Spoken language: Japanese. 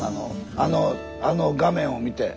あの画面を見て。